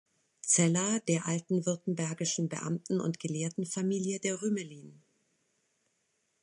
Zeller der alten württembergischen Beamten- und Gelehrtenfamilie der Rümelin.